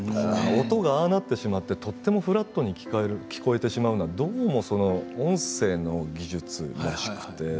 音がああなってしまってとてもフラットに聞こえてしまうのはどうも音声の技術らしくて。